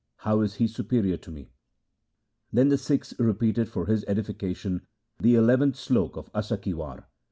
How is he superior to me ?' Then the Sikhs repeated for his edification the eleventh slok of Asa ki War.